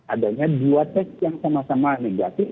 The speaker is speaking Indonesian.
adanya dua tes yang sama sama negatif